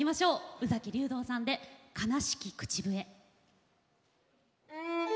宇崎竜童さんで「悲しき口笛」。